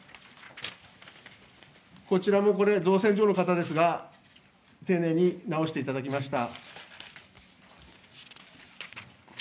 こちらも造船所の方ですが丁寧に直していただきました。